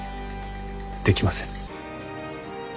できません。